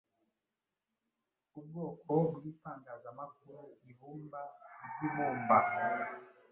Ubwoko bwitangazamakuru Ibumba ryibumba